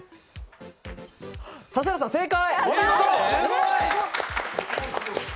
指原さん、正解。